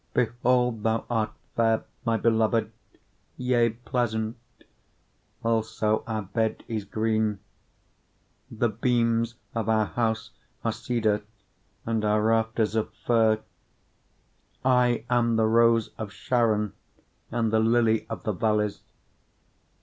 1:16 Behold, thou art fair, my beloved, yea, pleasant: also our bed is green. 1:17 The beams of our house are cedar, and our rafters of fir. 2:1 I am the rose of Sharon, and the lily of the valleys.